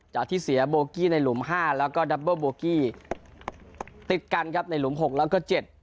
ที่เสียโบกี้ในหลุมห้าแล้วก็ดับเบอร์โบกี้ติดกันครับในหลุมหกแล้วก็เจ็ด